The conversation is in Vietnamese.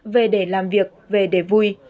về để làm việc về để vui